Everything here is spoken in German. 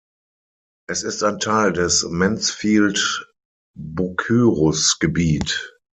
Es ist ein Teil des Mansfield-Bucyrus-Gebiet.